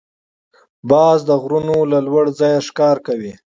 باز د غرونو له لوړ ځایه ښکار کوي